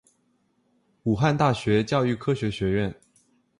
武汉大学教育科学学院